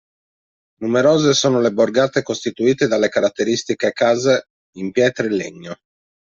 Numerose sono le borgate costituite dalle caratteristiche case in pietra e legno.